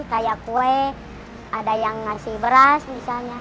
kayak kue ada yang ngasih beras misalnya